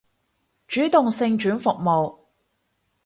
自動性轉服務